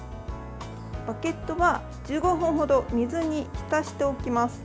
バゲットは１５分程水に浸しておきます。